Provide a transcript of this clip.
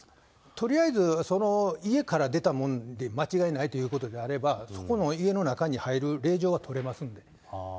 とりあえずその家から出たもんで間違いないということであれば、そこの家の中に入る令状は取れますんで。